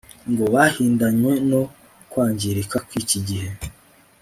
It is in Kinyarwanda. ngo bahindanywe no kwangirika kw'iki gihe